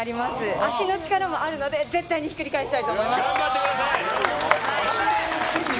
足の力もあるので絶対にひっくり返したいと思います！